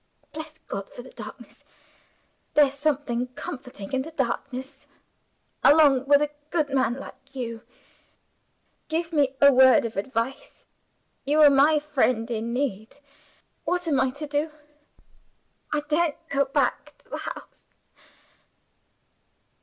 "Bless God for the darkness; there's something comforting in the darkness along with a good man like you. Give me a word of advice. You are my friend in need. What am I to do? I daren't go back to the house!"